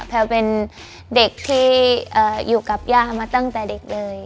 แพลวเป็นเด็กที่อยู่กับย่ามาตั้งแต่เด็กเลย